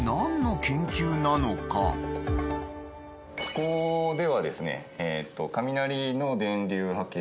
ここではですね